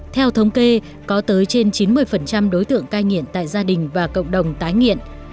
theo thống kê có tới trên chín mươi đối tượng cai nghiện tại gia đình và cộng đồng tái nghiện